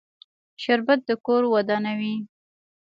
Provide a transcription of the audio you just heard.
شربت د کور ودانوي